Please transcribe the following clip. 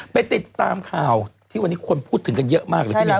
ไปติดตามข่าวที่วันนี้คนพูดถึงกันเยอะมากเลยพี่มิว